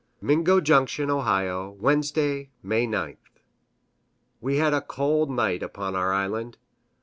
Mingo Junction, Ohio, Wednesday, May 9th. We had a cold night upon our island.